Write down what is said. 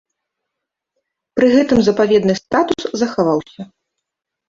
Пры гэтым запаведны статус захаваўся.